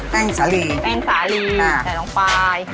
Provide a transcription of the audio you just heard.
แป้งสาลีแป้งสาลีใช้ลงไป